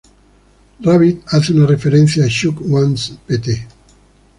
Rabbit hace una referencia a "Shook Ones Pt.